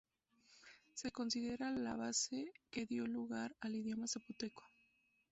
Se considera la base que dio lugar al idioma zapoteco.